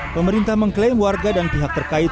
pemerintah mengklaim warga dan pihak terkait